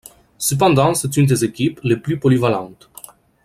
Cependant c'est une des équipes les plus polyvalentes.